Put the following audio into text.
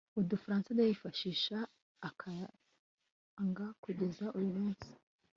udufaranga ajye yifashisha akayanga kugeza uyu munsi